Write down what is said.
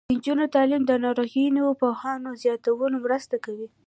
د نجونو تعلیم د ناروغیو پوهاوي زیاتولو مرسته کوي.